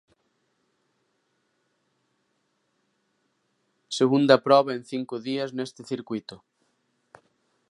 Segunda proba en cinco días neste circuíto.